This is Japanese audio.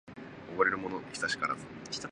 おごれるものは久しからず